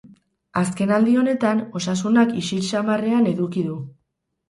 Azken aldi honetan osasunak ixil samarrean eduki du.